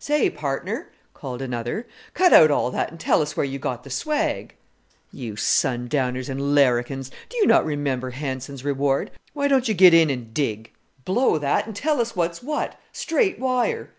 "Say! partner," called another, "cut out all that and tell us where you got the swag." "You sundowners and larrikins! Do you not remember Hanson's reward? Why don't you get in and dig?" "Blow that, and tell us what's what straight wire."